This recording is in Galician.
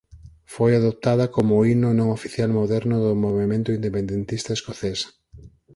Foi adoptada como o himno non oficial moderno do Movemento independentista escocés.